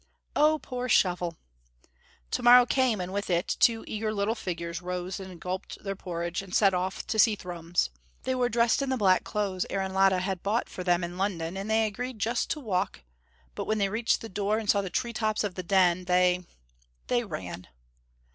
"Oh, poor Shovel!" To morrow came, and with it two eager little figures rose and gulped their porridge, and set off to see Thrums. They were dressed in the black clothes Aaron Latta had bought for them in London, and they had agreed just to walk, but when they reached the door and saw the tree tops of the Den they they ran.